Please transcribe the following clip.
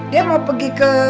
dia mau pergi ke